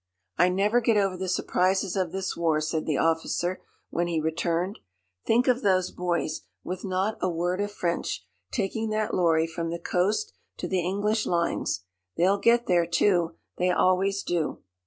"I never get over the surprises of this war," said the officer when he returned. "Think of those boys, with not a word of French, taking that lorry from the coast to the English lines! They'll get there too. They always do."